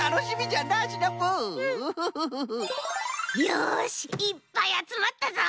よしいっぱいあつまったぞ！